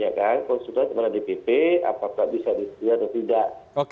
ya kan konstitusi dpp apakah bisa dilihat atau tidak